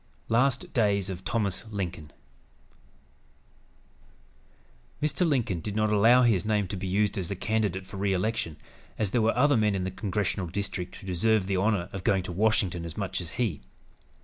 LAST DAYS OF THOMAS LINCOLN Mr. Lincoln did not allow his name to be used as a candidate for re election, as there were other men in the congressional district who deserved the honor of going to Washington as much as he.